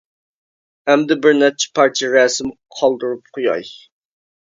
ئەمدى بىر نەچچە پارچە رەسىم قالدۇرۇپ قۇياي.